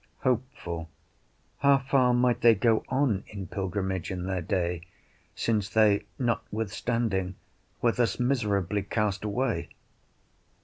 Hopeful How far might they go on in pilgrimage in their day, since they notwithstanding were thus miserably cast away?